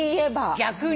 逆に？